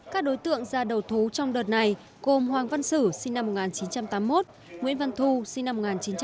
các đối tượng ra đầu thú trong đợt này gồm hoàng văn sử sinh năm một nghìn chín trăm tám mươi một nguyễn văn thu sinh năm một nghìn chín trăm tám mươi